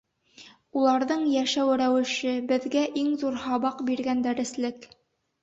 Уларҙың йәшәү рәүеше — беҙгә иң ҙур һабаҡ биргән дәреслек.